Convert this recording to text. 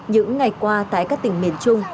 những ngày qua tại các tỉnh miền trung